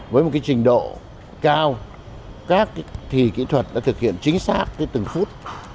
với một trình độ cao các thí kỹ thuật đã thực hiện chính xác từ từng phút